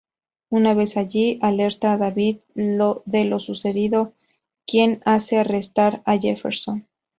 Una vez allí, alerta a David de lo sucedido, quien hace arrestar a Jefferson.